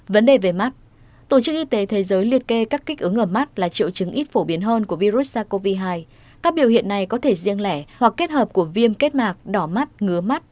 vấn đề về mắt tổ chức y tế thế giới liệt kê các kích ứng ở mắt là triệu chứng ít phổ biến hơn của virus sars cov hai các biểu hiện này có thể riêng lẻ hoặc kết hợp của viêm kết mạc đỏ mắt ngứa mắt đau mắt nhìn mờ nhạy cảm với ánh sáng